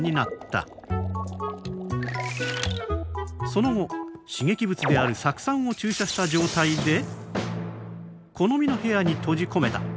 その後刺激物である酢酸を注射した状態で好みの部屋に閉じ込めた。